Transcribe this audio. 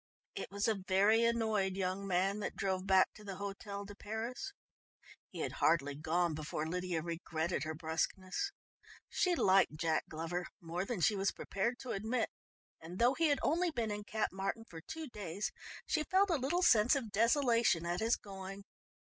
It was a very annoyed young man that drove back to the Hôtel de Paris. He had hardly gone before Lydia regretted her brusqueness. She liked Jack Glover more than she was prepared to admit, and though he had only been in Cap Martin for two days she felt a little sense of desolation at his going.